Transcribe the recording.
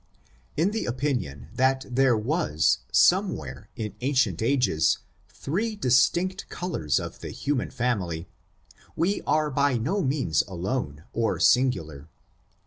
In the opinion, that there was, somewhere, in an cient ages, three distinct colors of the human family, we are by no means alone or singular.